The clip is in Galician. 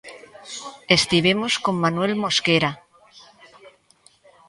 Estivemos con Manuel Mosquera.